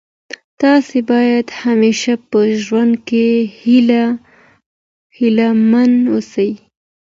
تاسي باید همېشه په ژوند کي هیله من اوسئ.